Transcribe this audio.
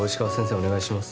お願いします